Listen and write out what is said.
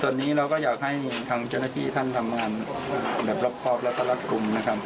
ส่วนนี้เราก็อยากให้ทางเจ้าหน้าที่ทำงานลักษณะครอบครัวและลักษณะลักษณ์กรุงนะค่ะ